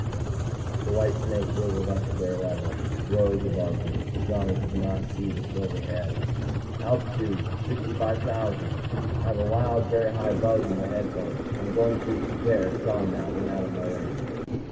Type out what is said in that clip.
The white snake wriggled up to their level, rose above them. Johnny could not see the silver head. "Altitude ... 65,000.... I have a loud, very high buzz in my headphones. I'm going to there, it's gone now, went out of my range."